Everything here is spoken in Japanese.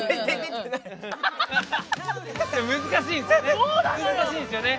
難しいですよね。